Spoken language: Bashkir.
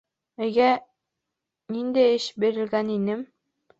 Өйгә ниндәй эш бирелгән ине?